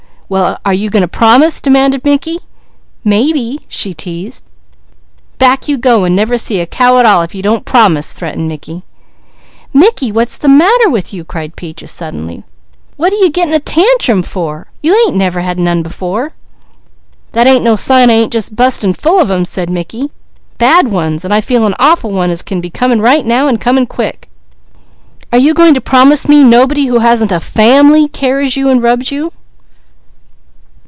"Well, are you going to promise?" demanded Mickey. "Maybe," she teased. "Back you go and never see a cow at all if you don't promise," threatened Mickey. "Mickey, what's the matter with you?" cried Peaches suddenly. "What you getting a tantrum yourself for? You ain't never had none before." "That ain't no sign I ain't just busting full of them," said Mickey. "Bad ones, and I feel an awful one as can be coming right now, and coming quick. Are you going to promise me nobody who hasn't a family, carries you, and rubs you?"